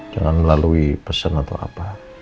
jangan melalui pesan atau apa